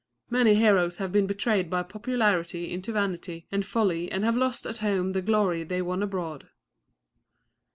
Many heroes have been betrayed by popularity into vanity and folly and have lost at home the glory they won abroad.